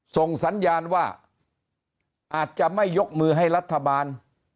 ส่งสัญญาณว่าอาจจะไม่ยกมือให้รัฐบาล